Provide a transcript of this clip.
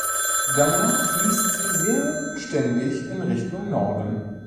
Danach fließt sie sehr beständig in Richtung Norden.